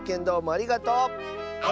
ありがとう！